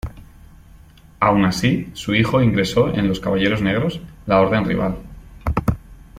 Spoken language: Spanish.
Aun así, su hijo ingresó en los caballeros negros, la orden rival.